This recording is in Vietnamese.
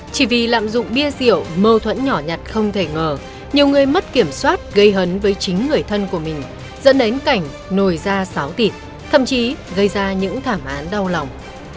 chỉ vì lạm dụng bia rượu mâu thuẫn nhỏ nhặt không thể ngờ nhiều người mất kiểm soát gây hấn với chính người thân của mình dẫn đến cảnh nồi ra xáo tịt thậm chí gây ra những thảm án đau lòng